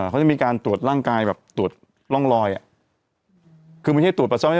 เขาจะมีการตรวจร่างกายแบบตรวจร่องรอยคือมันไม่ใช่ตรวจประชาวนี้